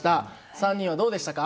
３人はどうでしたか？